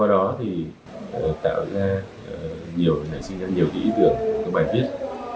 ý tưởng của bài viết